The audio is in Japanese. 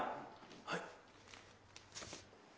はい。